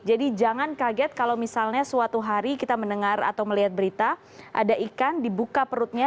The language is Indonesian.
jadi jangan kaget kalau misalnya suatu hari kita mendengar atau melihat berita ada ikan dibuka perutnya